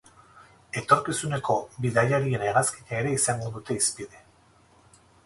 Etorkizuneko bidaiarien hegazkina ere izango dute hizpide.